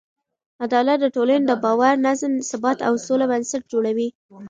عدالت د ټولنې د باور، نظم، ثبات او سوله بنسټ جوړوي.